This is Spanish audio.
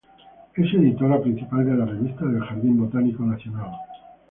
Es Editora principal de la Revista del Jardín Botánico Nacional.